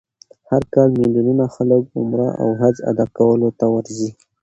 هر کال میلیونونه خلک عمره او حج ادا کولو ته ورځي.